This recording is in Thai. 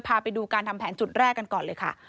พาไปดูการทำแผนจุดแรกกันก่อนเลยค่ะ